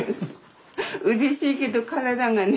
うれしいけど体がね。